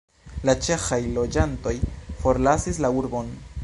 La ĉeĥaj loĝantoj forlasis la urbon.